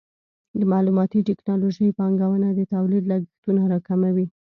د معلوماتي ټکنالوژۍ پانګونه د تولید لګښتونه راکموي.